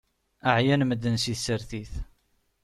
Ɛyan medden si tsertit.